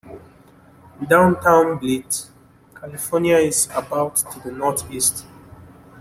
Downtown Blythe, California is about to the northeast.